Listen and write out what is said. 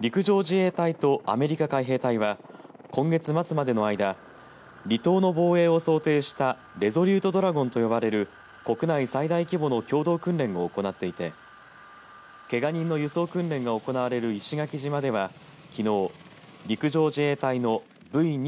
陸上自衛隊とアメリカ海兵隊は今月末までの間離島の防衛を想定したレゾリュート・ドラゴンと呼ばれる国内最大規模の共同訓練を行っていてけが人の輸送訓練が行われる石垣島ではきのう陸上自衛隊のＶ２２